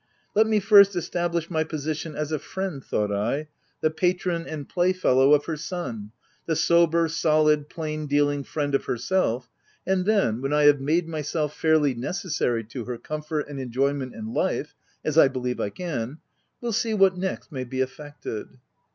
" Let me first establish my position as a friend," thought I, —" the patron and playfellow of her son, the sober, solid, plain dealing friend of herself, and then, when I have made myself OF WILDFELL HALL. 143 fairly necessary to her comfort and enjoyment in life (as I believe I can), we'll see what next may be effected."